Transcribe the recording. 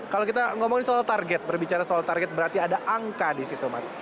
kalau kita ngomongin soal target berbicara soal target berarti ada angka di situ mas